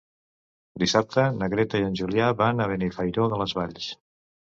Dissabte na Greta i en Julià van a Benifairó de les Valls.